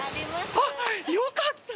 あっよかった！